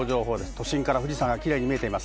都心から富士山がキレイに見えています。